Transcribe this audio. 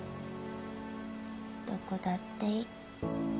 どこだっていい。